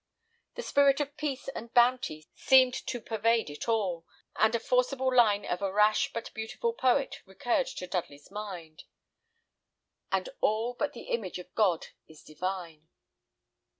The spirit of peace and bounty seemed to pervade it all, and a forcible line of a rash but beautiful poet recurred to Dudley's mind, "And all but the image of God is divine."